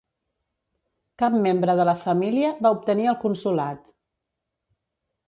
Cap membre de la família va obtenir el consolat.